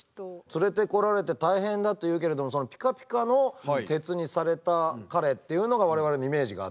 連れてこられて大変だというけれどもピカピカの鉄にされた彼っていうのが我々のイメージがあって。